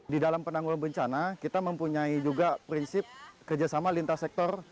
di dalam penanggulan bencana kita mempunyai juga prinsip kerjasama lintas sektor